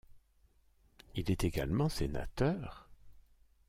Il est également sénateur.